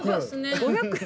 ５００円。